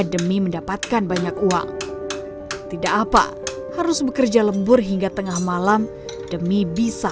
demi mendapatkan banyak uang tidak apa harus bekerja lembur hingga tengah malam demi bisa